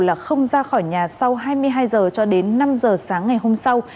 là không ra khỏi nhà sau hai mươi hai h cho đến năm h sáng ngày hôm sau